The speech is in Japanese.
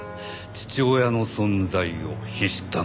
父親の存在を秘したまま。